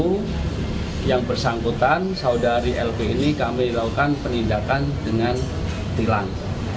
pasal dua ratus delapan puluh tujuh ayat satu yang bersangkutan saudari lp ini kami lakukan penindakan dengan hilang